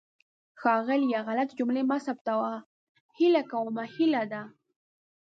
ښاغلیه! غلطې جملې مه ثبتوه. هیله کوم هیله ده.